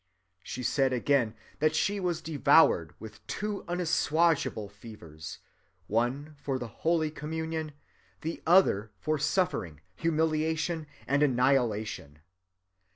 She said again that she was devoured with two unassuageable fevers, one for the holy communion, the other for suffering, humiliation, and annihilation.